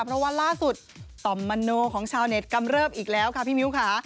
เพราะว่าล่าสุดต่อมมโนของชาวเน็ตกำเริบอีกแล้วค่ะพี่มิ้วค่ะ